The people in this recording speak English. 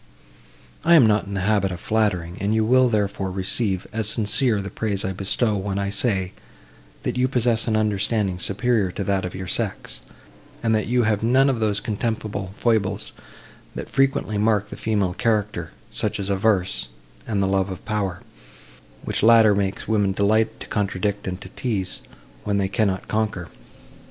I am not in the habit of flattering, and you will, therefore, receive, as sincere, the praise I bestow, when I say, that you possess an understanding superior to that of your sex; and that you have none of those contemptible foibles, that frequently mark the female character—such as avarice and the love of power, which latter makes women delight to contradict and to tease, when they cannot conquer.